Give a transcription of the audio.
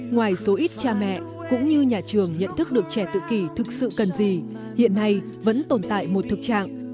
ngoài số ít cha mẹ cũng như nhà trường nhận thức được trẻ tự kỷ thực sự cần gì hiện nay vẫn tồn tại một thực trạng